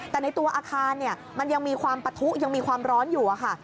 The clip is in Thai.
แต่ในตัวอาคารมันยังมีความปะทุยังมีความร้อนอยู่ค่ะ